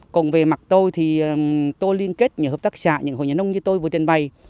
còn về mặt tôi thì tôi liên kết những hợp tác xã những hội nhà nông như tôi vừa trình bày